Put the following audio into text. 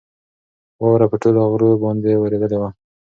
واوره په ټولو غرو باندې ورېدلې وه.